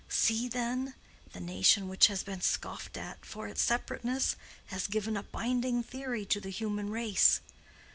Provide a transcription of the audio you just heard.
See, then—the nation which has been scoffed at for its separateness, has given a binding theory to the human race.